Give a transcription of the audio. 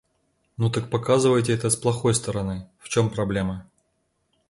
Ну так показывайте это с плохой стороны, в чём проблема?